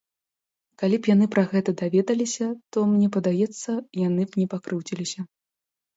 Калі б яны пра гэта даведаліся, то, мне падаецца, яны б не пакрыўдзіліся.